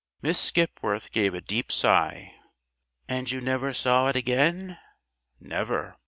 Miss Skipworth gave a deep sigh. "And you never saw it again?" "Never."